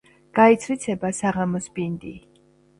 გაიცრიცება საღამოს ბინდი,